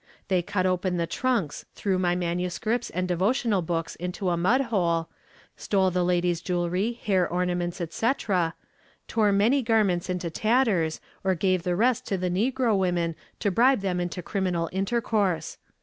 They cut open the trunks, threw my manuscripts and devotional books into a mud hole, stole the ladies' jewelry, hair ornaments, etc., tore many garments into tatters, or gave the rest to the negro women to bribe them into criminal intercourse.